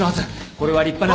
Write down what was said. これは立派な。